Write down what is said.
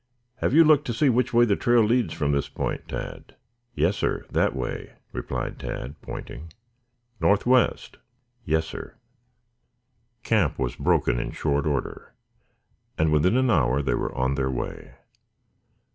Have you looked to see which way the trail leads from this point, Tad?" "Yes, sir. That way," replied Tad, pointing. "Northwest?" "Yes, sir." Camp was broken in short order and within an hour they were on their way.